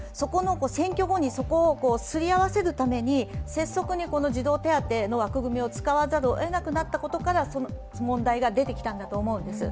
選挙後にそこをすり合わせるために拙速に児童手当の枠組みを使わざるをえなくなったことから問題が出てきたんだと思うんです。